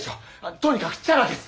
とにかくチャラです！